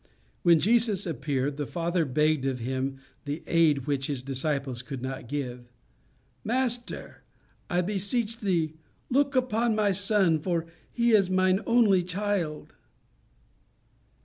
When Jesus appeared, the father begged of him the aid which his disciples could not give: "Master, I beseech thee, look upon my son, for he is mine only child."